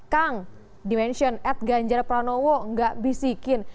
kang dimention at ganjar pranowo nggak bisikin